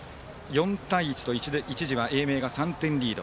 ４対１と、一時は英明が３点リード。